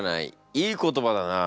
いい言葉だな。